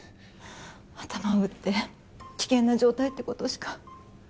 頭を打って危険な状態ってことしか。